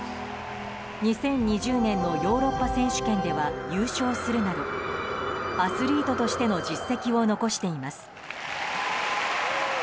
２０２０年のヨーロッパ選手権では優勝するなどアスリートとしての実績を残しています。